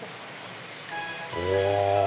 うわ！